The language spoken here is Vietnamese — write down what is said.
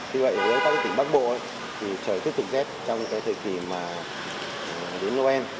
như vậy với các tỉnh bắc bộ thì trời tiếp tục rét trong thời kỳ đến noel